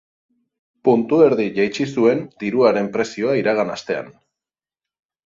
Puntu erdi jaitsi zuen diruaren prezioa iragan astean.